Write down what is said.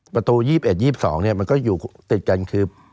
ประตู๒๑๒๒เนี่ยมันก็ติดกันคือ